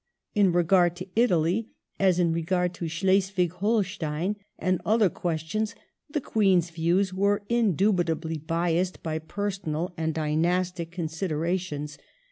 In regard to Italy, as in regard to Schleswig Holstein and other questions, the Queen^s views were indubitably biassed by personal and dynastic considerations.